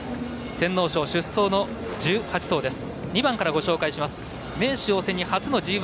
天皇賞出走の１８頭です。